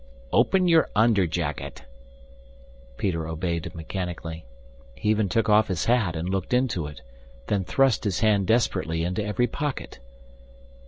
"Open your underjacket." Peter obeyed mechanically. He even took off his hat and looked into it, then thrust his hand desperately into every pocket.